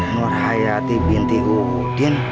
nurhayati binti uddin